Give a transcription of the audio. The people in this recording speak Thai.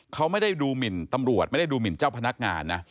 เขาไม่ได้ดูหมินตำรวจไม่ได้ดูหมินเจ้าพนักงานนะ